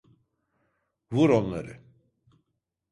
Vur onları!